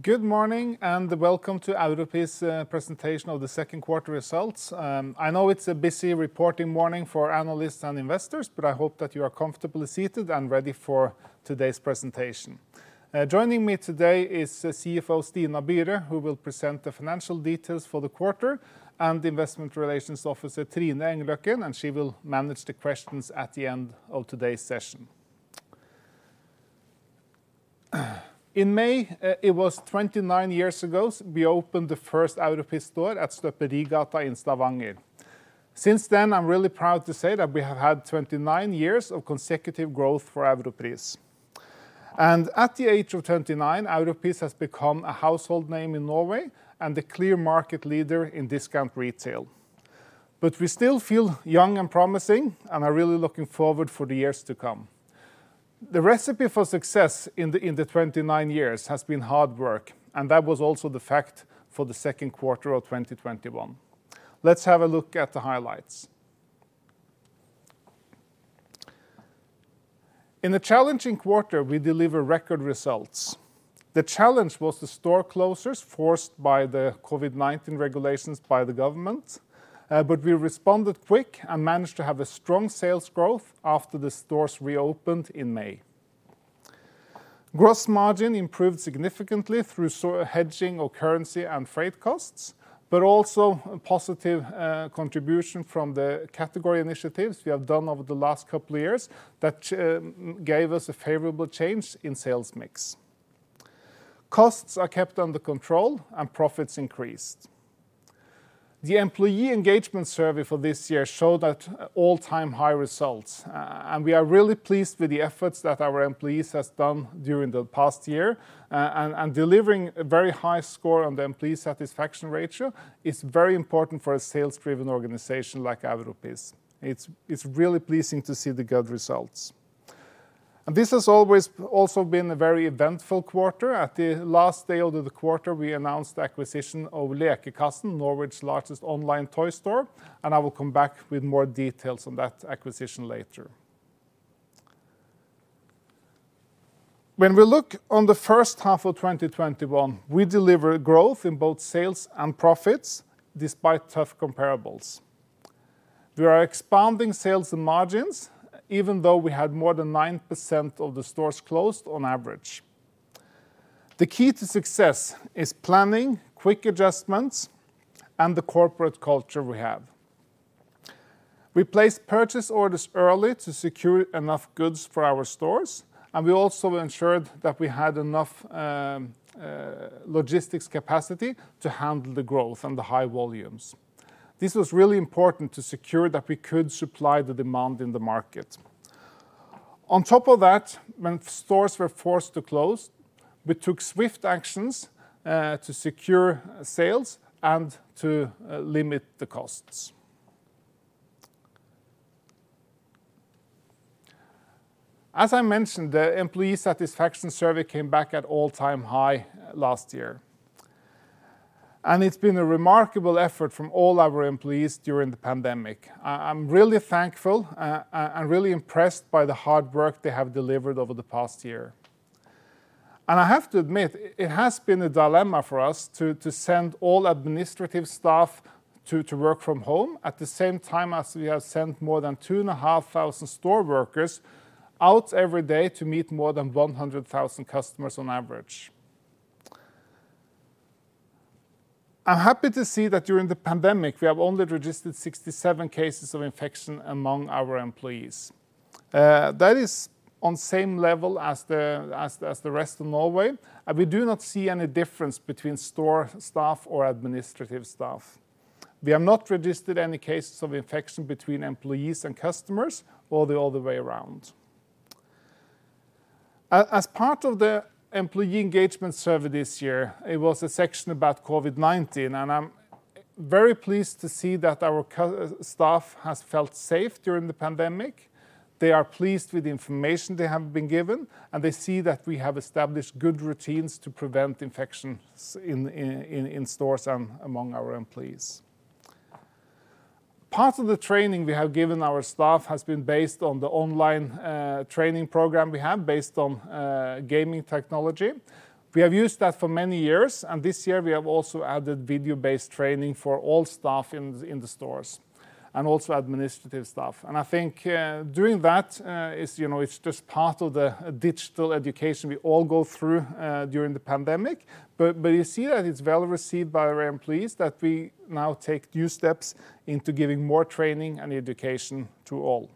Good morning, welcome to Europris presentation of the second quarter results. I know it's a busy reporting morning for analysts and investors, but I hope that you are comfortably seated and ready for today's presentation. Joining me today is CFO Stina Byre, who will present the financial details for the quarter, and Investment Relations Officer Trine Engløkken, and she will manage the questions at the end of today's session. In May, it was 29 years ago, we opened the first Europris store at Støperigata in Stavanger. Since then, I'm really proud to say that we have had 29 years of consecutive growth for Europris. At the age of 29, Europris has become a household name in Norway and the clear market leader in discount retail. We still feel young and promising and are really looking forward for the years to come. The recipe for success in the 29 years has been hard work, and that was also the fact for the second quarter of 2021. Let's have a look at the highlights. In a challenging quarter, we deliver record results. The challenge was the store closures forced by the COVID-19 regulations by the government, but we responded quick and managed to have a strong sales growth after the stores reopened in May. Gross margin improved significantly through hedging of currency and freight costs, but also a positive contribution from the category initiatives we have done over the last couple of years that gave us a favorable change in sales mix. Costs are kept under control and profits increased. The employee engagement survey for this year showed that all-time high results, and we are really pleased with the efforts that our employees has done during the past year, and delivering a very high score on the employee satisfaction ratio is very important for a sales-driven organization like Europris. It's really pleasing to see the good results. This has always also been a very eventful quarter. At the last day of the quarter, we announced the acquisition of Lekekassen, Norway's largest online toy store, and I will come back with more details on that acquisition later. When we look on the first half of 2021, we deliver growth in both sales and profits, despite tough comparables. We are expanding sales and margins, even though we had more than 9% of the stores closed on average. The key to success is planning, quick adjustments, and the corporate culture we have. We place purchase orders early to secure enough goods for our stores, and we also ensured that we had enough logistics capacity to handle the growth and the high volumes. This was really important to secure that we could supply the demand in the market. On top of that, when stores were forced to close, we took swift actions to secure sales and to limit the costs. As I mentioned, the employee satisfaction survey came back at all-time high last year, and it's been a remarkable effort from all our employees during the pandemic. I'm really thankful and really impressed by the hard work they have delivered over the past year. I have to admit, it has been a dilemma for us to send all administrative staff to work from home at the same time as we have sent more than 2,500 store workers out every day to meet more than 100,000 customers on average. I'm happy to see that during the pandemic, we have only registered 67 cases of infection among our employees. That is on same level as the rest of Norway. We do not see any difference between store staff or administrative staff. We have not registered any cases of infection between employees and customers or the other way around. As part of the employee engagement survey this year, it was a section about COVID-19, and I'm very pleased to see that our staff has felt safe during the pandemic. They are pleased with the information they have been given, and they see that we have established good routines to prevent infections in stores and among our employees. Part of the training we have given our staff has been based on the online training program we have based on gaming technology. We have used that for many years, and this year we have also added video-based training for all staff in the stores and also administrative staff. I think doing that is just part of the digital education we all go through during the pandemic, but you see that it's well received by our employees that we now take new steps into giving more training and education to all.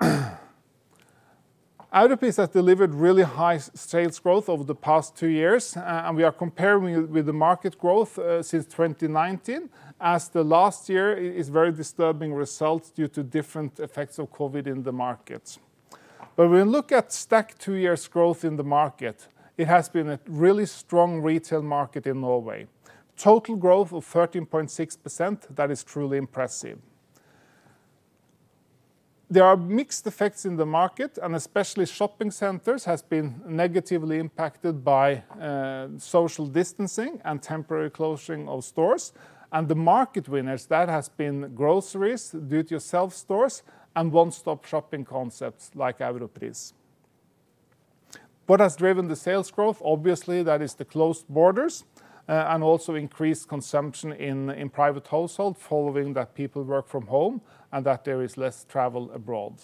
Europris has delivered really high sales growth over the past two years. We are comparing with the market growth since 2019, as the last year is very disturbing results due to different effects of COVID-19 in the markets. When we look at stack two years growth in the market, it has been a really strong retail market in Norway. Total growth of 13.6%, that is truly impressive. There are mixed effects in the market. Especially shopping centers has been negatively impacted by social distancing and temporary closing of stores. The market winners, that has been groceries, do-it-yourself stores, and one-stop shopping concepts like Europris. What has driven the sales growth? Obviously, that is the closed borders. Also increased consumption in private households following that people work from home and that there is less travel abroad.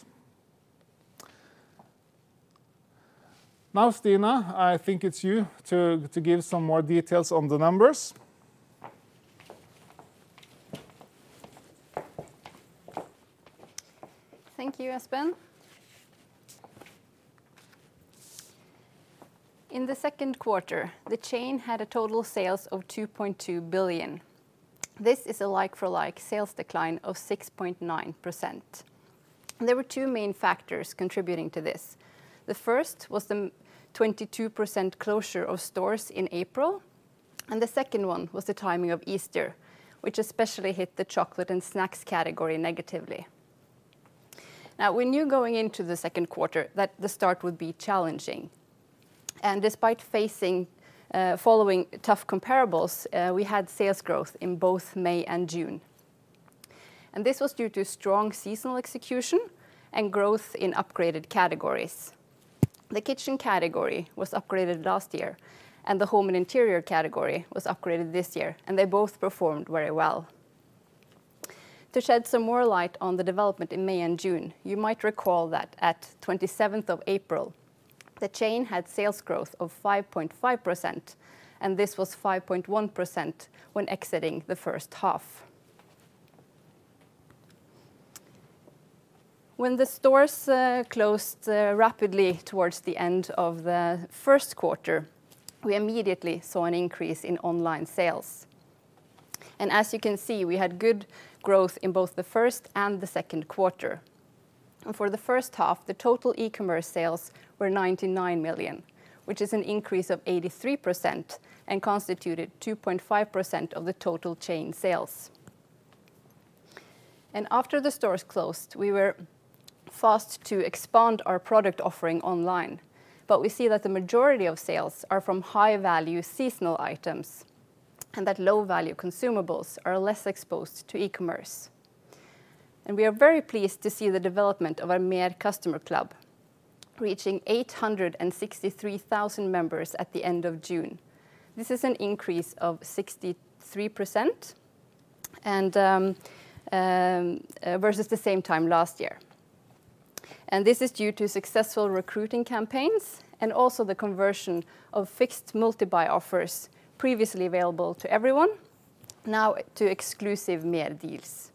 Stina, I think it's you to give some more details on the numbers. Thank you, Espen. In the second quarter, the chain had a total sales of 2.2 billion. This is a like-for-like sales decline of 6.9%. There were two main factors contributing to this. The first was the 22% closure of stores in April, and the second one was the timing of Easter, which especially hit the chocolate and snacks category negatively. Now, we knew going into the second quarter that the start would be challenging, and despite following tough comparables, we had sales growth in both May and June. This was due to strong seasonal execution and growth in upgraded categories. The kitchen category was upgraded last year, and the home and interior category was upgraded this year, and they both performed very well. To shed some more light on the development in May and June, you might recall that at 27th of April, the chain had sales growth of 5.5%, and this was 5.1% when exiting the first half. When the stores closed rapidly towards the end of the first quarter, we immediately saw an increase in online sales. As you can see, we had good growth in both the first and the second quarter. For the first half, the total e-commerce sales were 99 million, which is an increase of 83% and constituted 2.5% of the total chain sales. After the stores closed, we were fast to expand our product offering online. We see that the majority of sales are from high-value seasonal items and that low-value consumables are less exposed to e-commerce. We are very pleased to see the development of our MER customer club, reaching 863,000 members at the end of June. This is an increase of 63% versus the same time last year. This is due to successful recruiting campaigns and also the conversion of fixed multi-buy offers previously available to everyone, now to exclusive MER deals.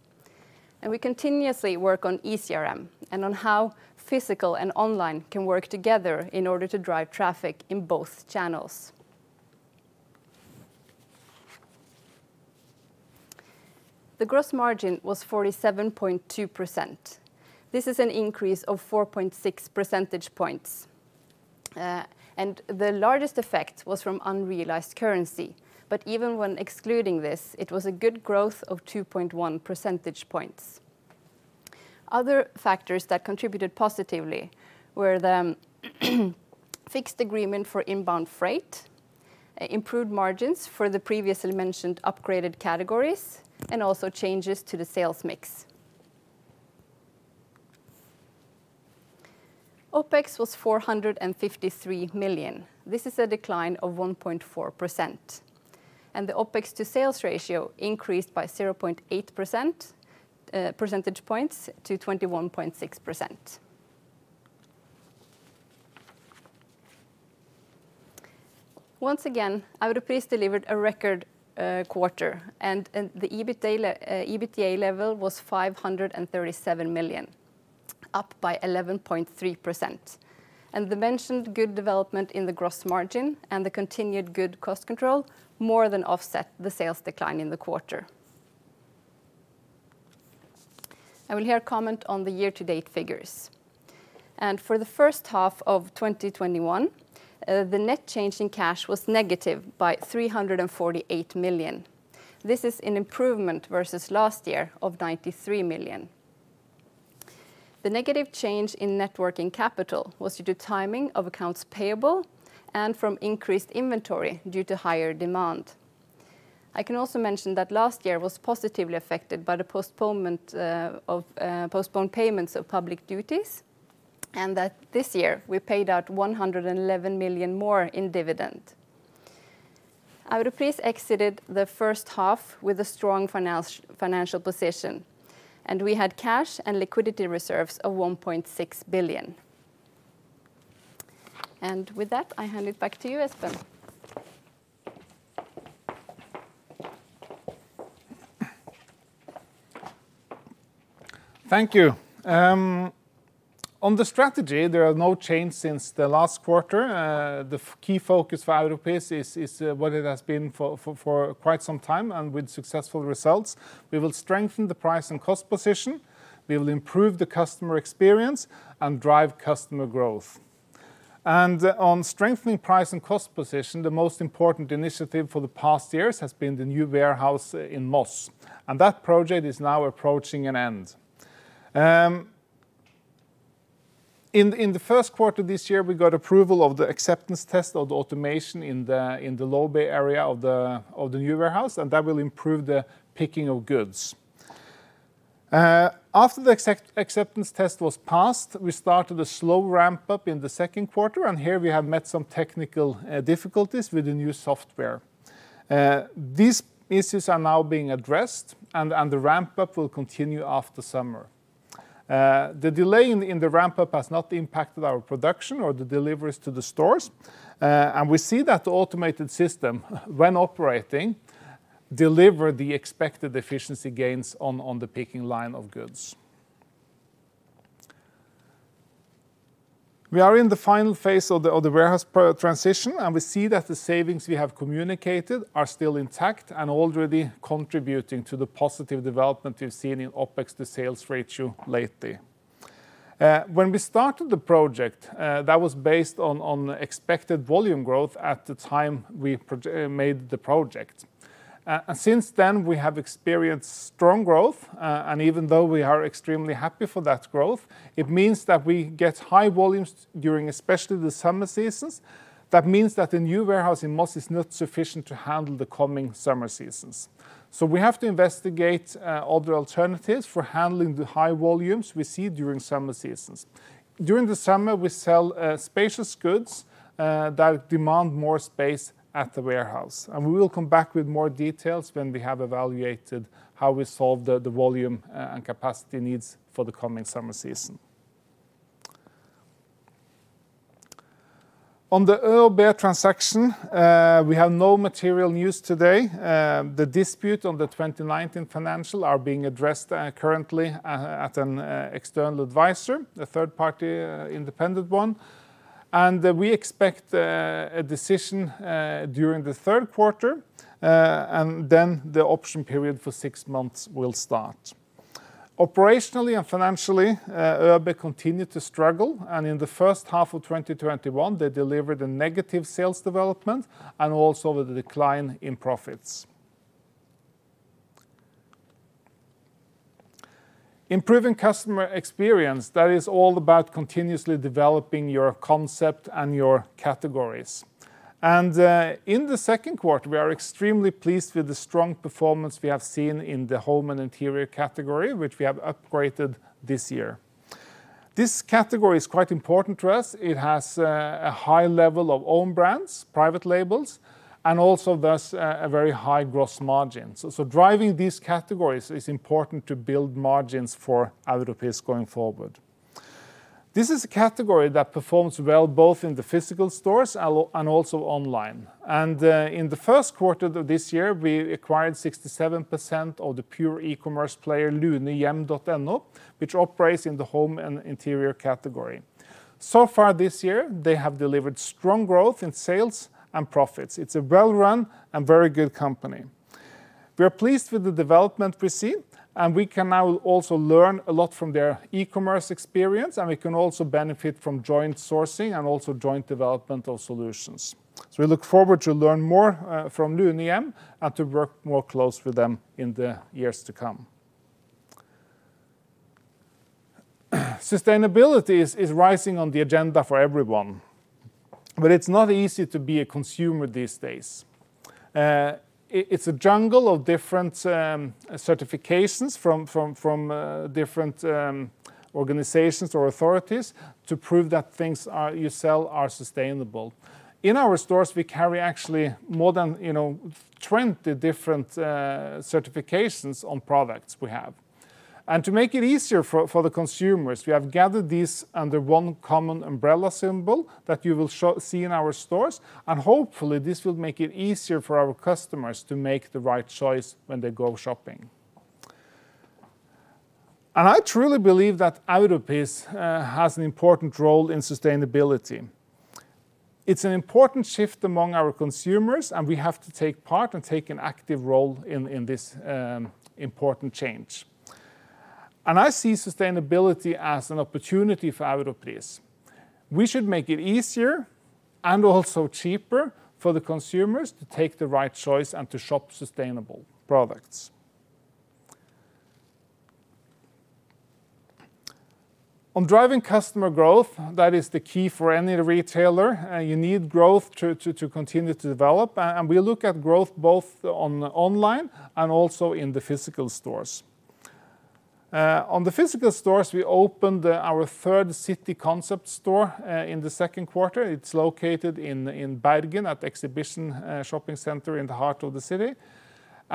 We continuously work on eCRM and on how physical and online can work together in order to drive traffic in both channels. The gross margin was 47.2%. This is an increase of 4.6 percentage points. The largest effect was from unrealized currency. Even when excluding this, it was a good growth of 2.1 percentage points. Other factors that contributed positively were the fixed agreement for inbound freight, improved margins for the previously mentioned upgraded categories, and also changes to the sales mix. OpEx was 453 million. This is a decline of 1.4%. The OpEx to sales ratio increased by 0.8 percentage points to 21.6%. Once again, Europris delivered a record quarter. The EBITDA level was 537 million, up by 11.3%. The mentioned good development in the gross margin and the continued good cost control more than offset the sales decline in the quarter. I will here comment on the year-to-date figures. For the first half of 2021, the net change in cash was negative by 348 million. This is an improvement versus last year of 93 million. The negative change in net working capital was due to timing of accounts payable and from increased inventory due to higher demand. I can also mention that last year was positively affected by the postponed payments of public duties, and that this year we paid out 111 million more in dividend. Europris exited the first half with a strong financial position, we had cash and liquidity reserves of 1.6 billion. With that, I hand it back to you, Espen. Thank you. On the strategy, there are no change since the last quarter. The key focus for Europris is what it has been for quite some time and with successful results. We will strengthen the price and cost position. We will improve the customer experience and drive customer growth. On strengthening price and cost position, the most important initiative for the past years has been the new warehouse in Moss, and that project is now approaching an end. In the first quarter this year, we got approval of the acceptance test of the automation in the low bay area of the new warehouse, and that will improve the picking of goods. After the acceptance test was passed, we started a slow ramp-up in the second quarter, and here we have met some technical difficulties with the new software. These issues are now being addressed, and the ramp-up will continue after summer. The delay in the ramp-up has not impacted our production or the deliveries to the stores. We see that the automated system, when operating, deliver the expected efficiency gains on the picking line of goods. We are in the final phase of the warehouse transition, and we see that the savings we have communicated are still intact and already contributing to the positive development we've seen in OpEx to sales ratio lately. When we started the project, that was based on expected volume growth at the time we made the project. Since then, we have experienced strong growth, and even though we are extremely happy for that growth, it means that we get high volumes during especially the summer seasons. That means that the new warehouse in Moss is not sufficient to handle the coming summer seasons. We have to investigate other alternatives for handling the high volumes we see during summer seasons. During the summer, we sell spacious goods that demand more space at the warehouse. We will come back with more details when we have evaluated how we solve the volume and capacity needs for the coming summer season. On the ÖoB transaction, we have no material news today. The dispute on the 2019 financial are being addressed currently at an external advisor, a third party independent one, and we expect a decision during the third quarter, and then the option period for six months will start. Operationally and financially, ÖoB continue to struggle, and in the first half of 2021, they delivered a negative sales development and also with a decline in profits. Improving customer experience, that is all about continuously developing your concept and your categories. In the second quarter, we are extremely pleased with the strong performance we have seen in the home and interior category, which we have upgraded this year. This category is quite important to us. It has a high level of own brands, private labels, and also thus, a very high gross margin. Driving these categories is important to build margins for Europris going forward. This is a category that performs well both in the physical stores and also online. In the first quarter this year, we acquired 67% of the pure e-commerce player Lunehjem.no, which operates in the home and interior category. So far this year, they have delivered strong growth in sales and profits. It's a well run and very good company. We are pleased with the development we see. We can now also learn a lot from their e-commerce experience. We can also benefit from joint sourcing and also joint development of solutions. We look forward to learn more from Lunehjem and to work more close with them in the years to come. Sustainability is rising on the agenda for everyone. It's not easy to be a consumer these days. It's a jungle of different certifications from different organizations or authorities to prove that things you sell are sustainable. In our stores, we carry actually more than 20 different certifications on products we have. To make it easier for the consumers, we have gathered these under one common umbrella symbol that you will see in our stores. Hopefully, this will make it easier for our customers to make the right choice when they go shopping. I truly believe that Europris has an important role in sustainability. It's an important shift among our consumers, and we have to take part and take an active role in this important change. I see sustainability as an opportunity for Europris. We should make it easier and also cheaper for the consumers to take the right choice and to shop sustainable products. On driving customer growth, that is the key for any retailer. You need growth to continue to develop, and we look at growth both on online and also in the physical stores. On the physical stores, we opened our third city concept store in the second quarter. It's located in Bergen at Xhibition Shopping Center in the heart of the city.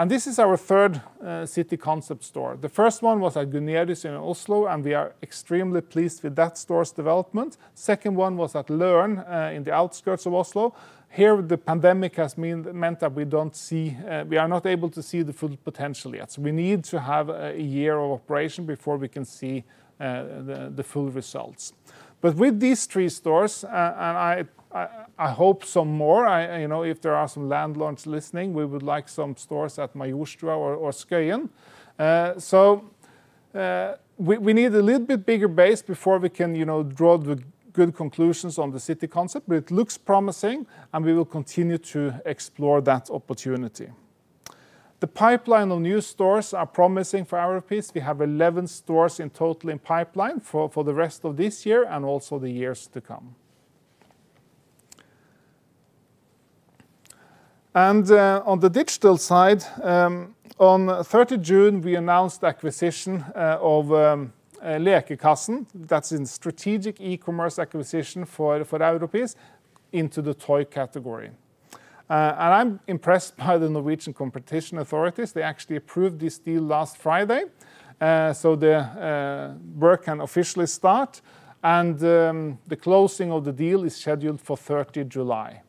This is our third city concept store. The first one was at Gunerius in Oslo, and we are extremely pleased with that store's development. Second one was at Løren in the outskirts of Oslo. Here, the pandemic has meant that we are not able to see the full potential yet. We need to have a year of operation before we can see the full results. With these three stores, and I hope some more, if there are some landlords listening, we would like some stores at Majorstua or Skøyen. We need a little bit bigger base before we can draw the good conclusions on the city concept, but it looks promising, and we will continue to explore that opportunity. The pipeline of new stores are promising for Europris. We have 11 stores in total in pipeline for the rest of this year and also the years to come. On the digital side, on 30 June, we announced the acquisition of Lekekassen. That's in strategic e-commerce acquisition for Europris into the toy category. I'm impressed by the Norwegian competition authorities. They actually approved this deal last Friday. The work can officially start. The closing of the deal is scheduled for 30 July.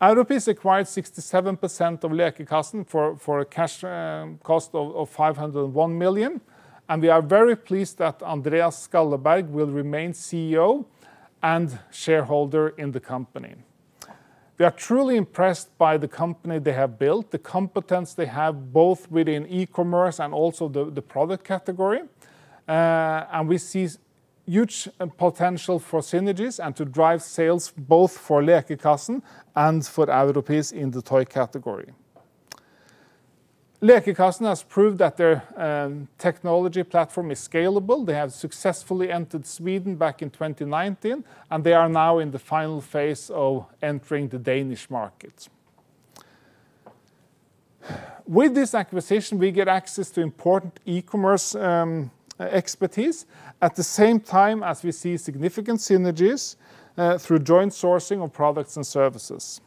Europris acquired 67% of Lekekassen for a cash cost of 501 million. We are very pleased that Andreas Skalleberg will remain CEO and shareholder in the company. We are truly impressed by the company they have built, the competence they have, both within e-commerce and also the product category. We see huge potential for synergies and to drive sales both for Lekekassen and for Europris in the toy category. Lekekassen has proved that their technology platform is scalable. They have successfully entered Sweden back in 2019. They are now in the final phase of entering the Danish market. With this acquisition, we get access to important e-commerce expertise at the same time as we see significant synergies through joint sourcing of products and services.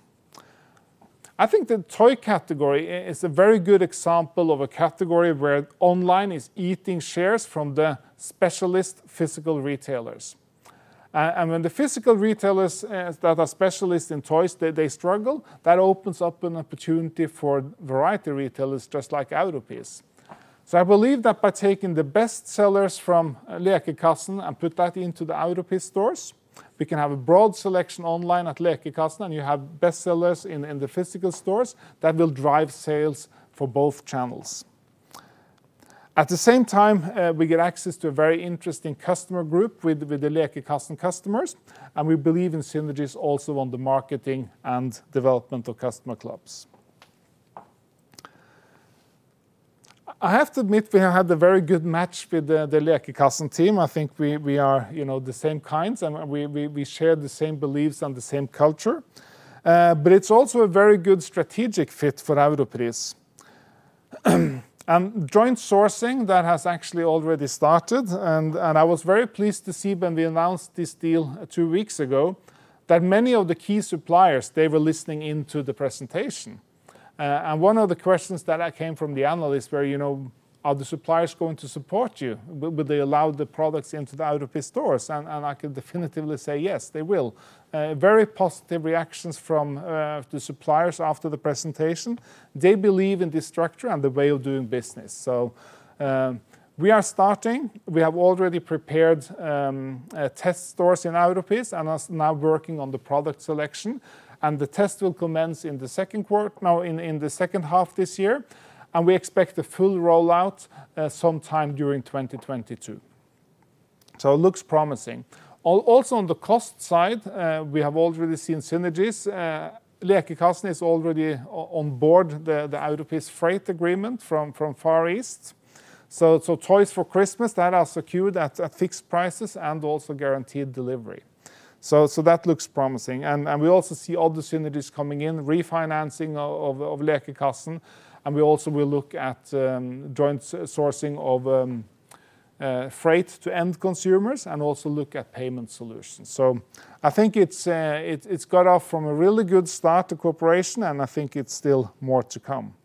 I think the toy category is a very good example of a category where online is eating shares from the specialist physical retailers. When the physical retailers that are specialists in toys, they struggle, that opens up an opportunity for variety retailers just like Europris. I believe that by taking the best sellers from Lekekassen and put that into the Europris stores, we can have a broad selection online at Lekekassen, and you have best sellers in the physical stores that will drive sales for both channels. At the same time, we get access to a very interesting customer group with the Lekekassen customers, and we believe in synergies also on the marketing and development of customer clubs. I have to admit we have had a very good match with the Lekekassen team. I think we are the same kinds, and we share the same beliefs and the same culture. It's also a very good strategic fit for Europris. Joint sourcing, that has actually already started, and I was very pleased to see when we announced this deal two weeks ago that many of the key suppliers, they were listening in to the presentation. One of the questions that came from the analysts were, are the suppliers going to support you? Will they allow the products into the Europris stores? I can definitively say, yes, they will. Very positive reactions from the suppliers after the presentation. They believe in this structure and the way of doing business. We are starting. We have already prepared test stores in Europris and are now working on the product selection. The test will commence in the second quarter, now in the second half this year. We expect the full rollout sometime during 2022. It looks promising. Also, on the cost side, we have already seen synergies. Lekekassen is already on board the Europris freight agreement from Far East. Toys for Christmas, that are secured at fixed prices and also guaranteed delivery. That looks promising. We also see other synergies coming in, refinancing of Lekekassen, and we also will look at joint sourcing of freight to end consumers and also look at payment solutions. I think it's got off from a really good start to cooperation, and I think it's still more to come.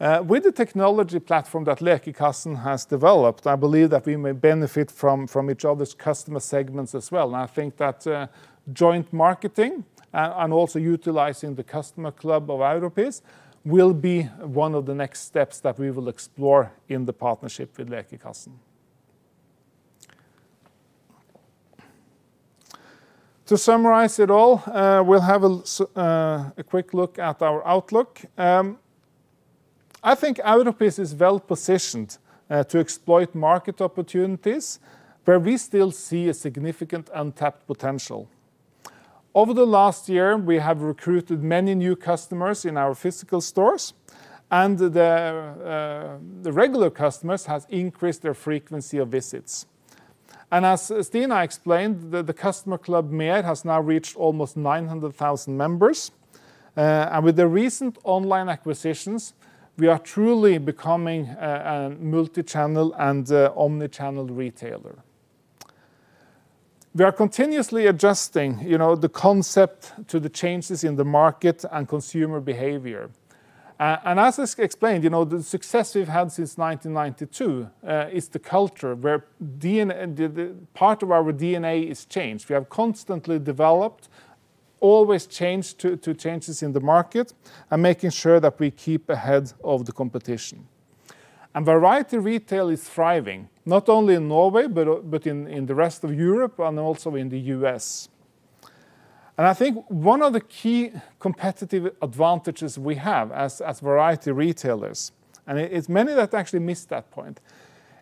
With the technology platform that Lekekassen has developed, I believe that we may benefit from each other's customer segments as well, and I think that joint marketing and also utilizing the customer club of Europris will be one of the next steps that we will explore in the partnership with Lekekassen. To summarize it all, we'll have a quick look at our outlook. I think Europris is well positioned to exploit market opportunities where we still see a significant untapped potential. Over the last year, we have recruited many new customers in our physical stores, and the regular customers have increased their frequency of visits. As Stina explained, the customer club, MER, has now reached almost 900,000 members. With the recent online acquisitions, we are truly becoming a multichannel and omnichannel retailer. We are continuously adjusting the concept to the changes in the market and consumer behavior. As explained, the success we've had since 1992 is the culture where part of our DNA is changed. We have constantly developed, always changed to changes in the market, and making sure that we keep ahead of the competition. Variety retail is thriving, not only in Norway, but in the rest of Europe and also in the U.S. I think one of the key competitive advantages we have as variety retailers, and it's many that actually miss that point,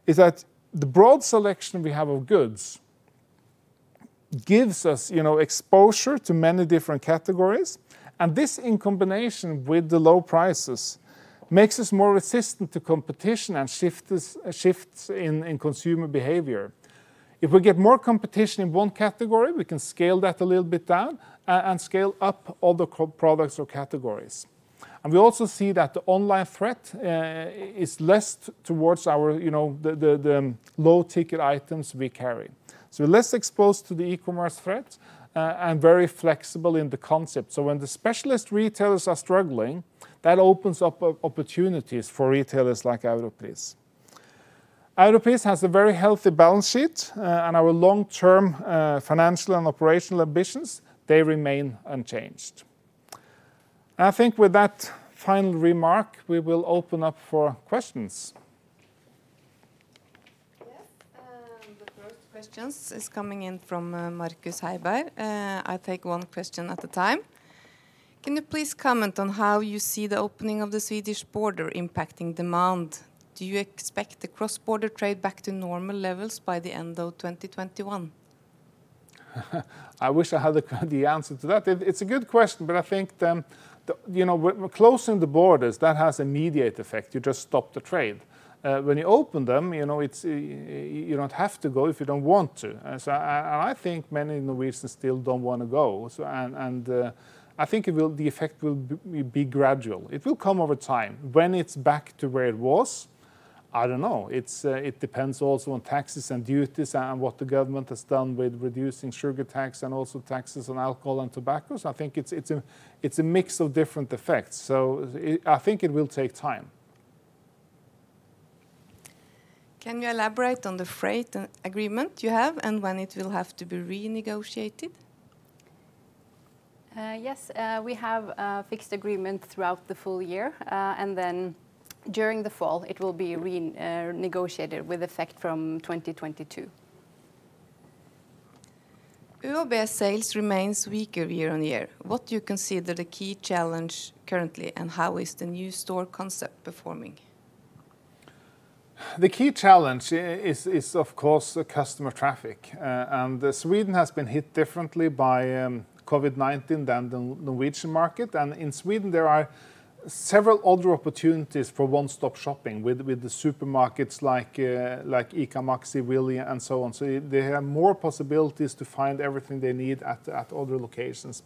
is that the broad selection we have of goods gives us exposure to many different categories, and this in combination with the low prices, makes us more resistant to competition and shifts in consumer behavior. If we get more competition in one category, we can scale that a little bit down and scale up other products or categories. We also see that the online threat is less towards the low-ticket items we carry. We're less exposed to the e-commerce threat and very flexible in the concept. When the specialist retailers are struggling, that opens up opportunities for retailers like Europris. Europris has a very healthy balance sheet, and our long-term financial and operational ambitions remain unchanged. I think with that final remark, we will open up for questions. Yes. The first question is coming in from Markus Heiberg. I'll take one question at a time. Can you please comment on how you see the opening of the Swedish border impacting demand? Do you expect the cross-border trade back to normal levels by the end of 2021? I wish I had the answer to that. It's a good question, I think closing the borders has an immediate effect. You just stop the trade. When you open them, you don't have to go if you don't want to. I think many Norwegians still don't want to go, I think the effect will be gradual. It will come over time. When it's back to where it was, I don't know. It depends also on taxes and duties and what the government has done with reducing sugar tax and also taxes on alcohol and tobacco. I think it's a mix of different effects. I think it will take time. Can you elaborate on the freight agreement you have and when it will have to be renegotiated? Yes. We have a fixed agreement throughout the full year, and then during the fall it will be renegotiated with effect from 2022. ÖoB sales remains weaker year-on-year. What do you consider the key challenge currently, and how is the new store concept performing? The key challenge is, of course, the customer traffic. Sweden has been hit differently by COVID-19 than the Norwegian market. In Sweden, there are several other opportunities for one-stop shopping with the supermarkets like ICA, Maxi, Willys, and so on. They have more possibilities to find everything they need at other locations.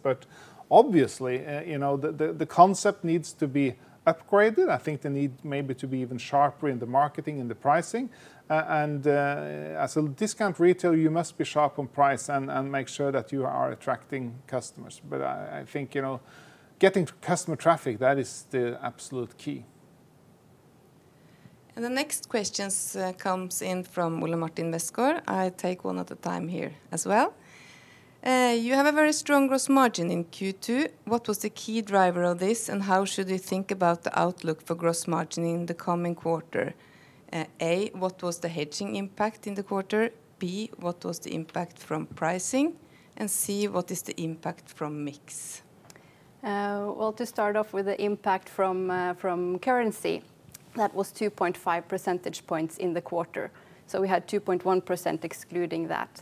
Obviously, the concept needs to be upgraded. I think they need maybe to be even sharper in the marketing and the pricing. As a discount retailer, you must be sharp on price and make sure that you are attracting customers. I think getting customer traffic, that is the absolute key. The next questions comes in from Ole Martin Westgaard. I'll take one at a time here as well. You have a very strong gross margin in Q2. What was the key driver of this, and how should we think about the outlook for gross margin in the coming quarter? A, what was the hedging impact in the quarter? B, what was the impact from pricing, and C, what is the impact from mix? Well, to start off with the impact from currency, that was 2.5 percentage points in the quarter. We had 2.1% excluding that.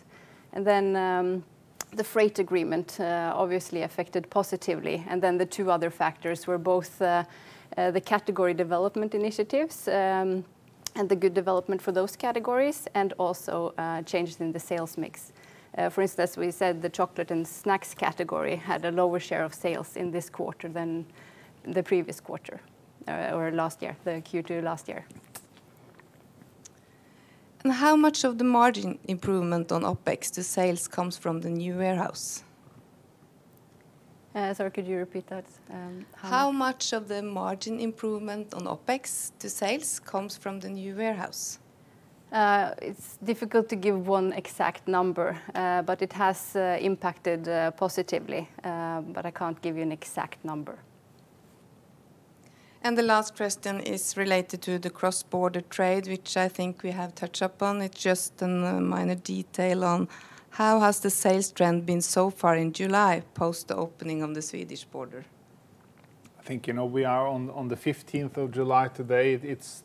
The freight agreement obviously affected positively. The two other factors were both the category development initiatives and the good development for those categories and also changes in the sales mix. For instance, we said the chocolate and snacks category had a lower share of sales in this quarter than the previous quarter or last year, the Q2 last year. How much of the margin improvement on OpEx to sales comes from the new warehouse? Sorry, could you repeat that? How much of the margin improvement on OpEx to sales comes from the new warehouse? It's difficult to give one exact number, but it has impacted positively. I can't give you an exact number. The last question is related to the cross-border trade, which I think we have touched upon. It is just a minor detail on how has the sales trend been so far in July post the opening of the Swedish border? I think we are on the 15th of July today.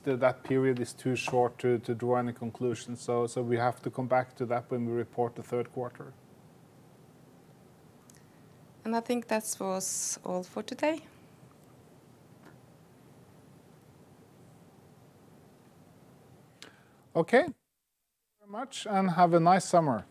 That period is too short to draw any conclusions, We have to come back to that when we report the third quarter. I think that was all for today. Okay. Thank you very much, and have a nice summer.